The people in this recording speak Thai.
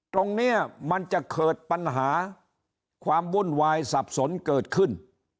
ตรงนี้มันจะเกิดปัญหาความวุ่นวายสับสนเกิดขึ้น